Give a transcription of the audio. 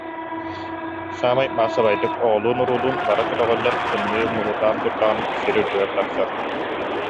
Саамай маассабайдык, оҕолуун-уруулуун бары көтөҕүллэн, тымныы муҥутаан турдаҕына сир үрдүгэр тахсар